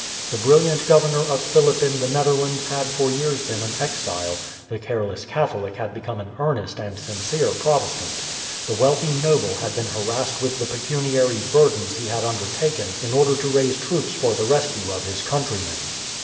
The brilliant governor of Philip in the Netherlands had for years been an exile; the careless Catholic had become an earnest and sincere Protestant; the wealthy noble had been harassed with the pecuniary burdens he had undertaken in order to raise troops for the rescue of his countrymen.